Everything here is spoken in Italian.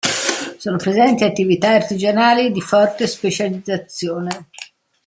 Sono presenti attività artigianali di forte specializzazione.